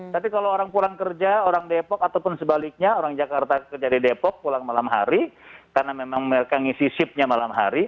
tapi kalau orang pulang kerja orang depok ataupun sebaliknya orang jakarta kerja di depok pulang malam hari karena memang mereka ngisi shipnya malam hari